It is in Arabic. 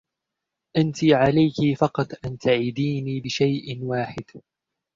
أنتِ عليكِ فقط أن تعِديني بشيء واحد.